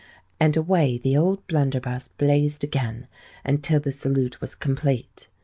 _' And away the old blunderbuss blazed again, until the salute was complete.